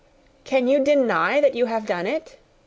"Can you deny that you have done it?"